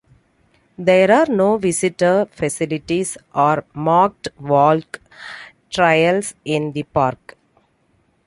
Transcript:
There are no visitor facilities or marked walk trails in the park.